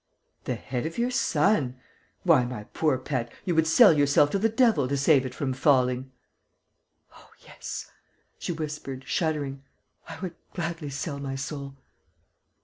"The head of your son!... Why, my poor pet, you would sell yourself to the devil to save it from falling!..." "Oh, yes," she whispered, shuddering. "I would gladly sell my soul!"